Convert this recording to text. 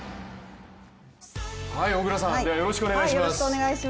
小椋さん、よろしくお願いします。